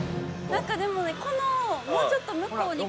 ◆何かでも、このもうちょっと向こうに。